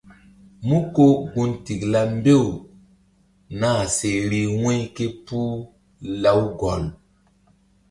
Mú ko gun tikla mbew nah si vbi wu̧y ké puh Lawgɔl.